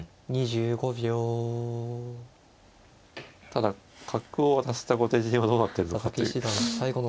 ただ角を渡した後手陣はどうなってんのかという。